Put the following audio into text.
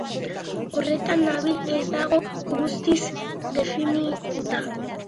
Horretan nabil, ez dago guztiz definituta.